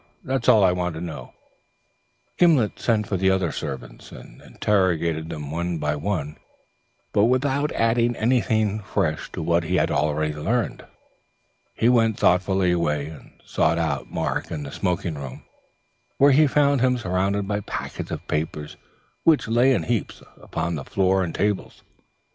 That is all I wanted to know." He sent for the other servants and interrogated them one by one, but without adding anything fresh to what he had already learned. He went thoughtfully away and sought out Mark in the smoking room, where he found him surrounded by packets of papers, which lay in heaps upon the floor and tables.